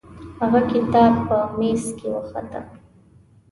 هغه کتاب په میز کې وخته.